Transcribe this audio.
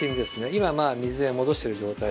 今水で戻してる状態。